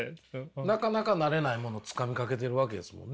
なかなかなれないものつかみかけてるわけですもんね。